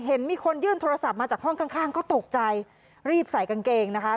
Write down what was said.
เห็นมีคนยื่นโทรศัพท์มาจากห้องข้างข้างก็ตกใจรีบใส่กางเกงนะคะ